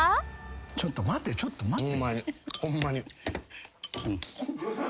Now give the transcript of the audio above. ちょっと待てちょっと待て。